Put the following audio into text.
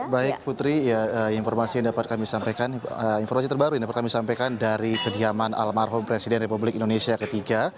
baik putri informasi terbaru yang dapat kami sampaikan dari kediaman almarhum presiden republik indonesia ketiga